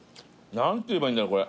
何て言えばいいんだろうこれ。